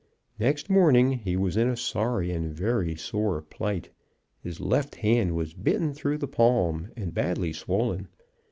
Next morning he was in a sorry and a very sore plight. His left hand was bitten through the palm, and badly swollen.